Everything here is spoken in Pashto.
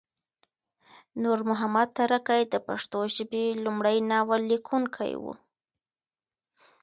نور محمد ترکی د پښتو ژبې لمړی ناول لیکونکی وه